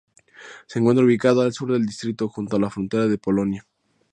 Se encuentra ubicado al sur del distrito, junto a la frontera con Polonia.